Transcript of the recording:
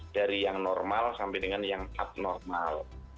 dari yang normal sampai dengan yang abnormal